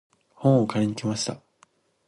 本を借りに行きました。